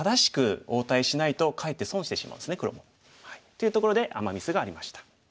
いうところでアマ・ミスがありました。